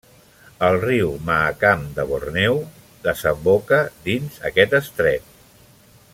El riu Mahakam de Borneo desemboca dins aquest estret.